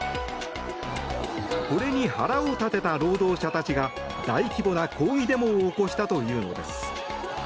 これに腹を立てた労働者たちが大規模な抗議デモを起こしたというのです。